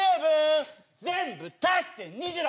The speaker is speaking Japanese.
全部足して２６！